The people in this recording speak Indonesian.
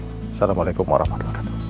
assalamualaikum warahmatullahi wabarakatuh